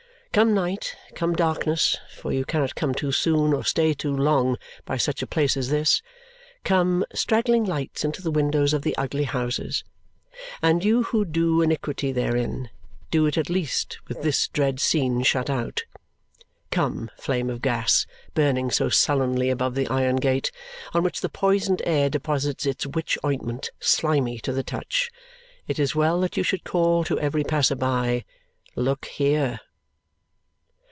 Come night, come darkness, for you cannot come too soon or stay too long by such a place as this! Come, straggling lights into the windows of the ugly houses; and you who do iniquity therein, do it at least with this dread scene shut out! Come, flame of gas, burning so sullenly above the iron gate, on which the poisoned air deposits its witch ointment slimy to the touch! It is well that you should call to every passerby, "Look here!"